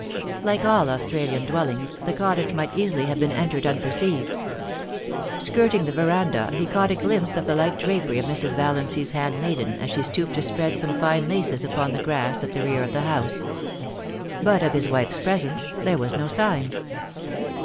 Like all Australian dwellings, the cottage might easily have been entered unperceived. Skirting the veranda, he caught a glimpse of the light drapery of Mrs. Valiancy's handmaiden as she stooped to spread some fine laces upon the grass at the rear of the house ; but of his wife's presence there was no sign.